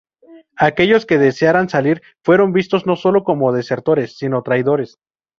Aquellos que desearan salir fueron vistos no sólo como desertores, sino traidores.